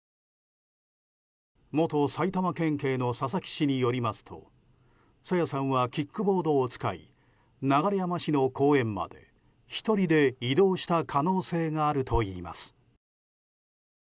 元埼玉県警の佐々木氏によりますと朝芽さんはキックボードを使い流山市の公園まで１人で移動した可能性があるといいます。